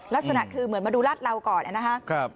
ลักษณะคือเหมือนมาดูลาดเหลาก่อนนะครับ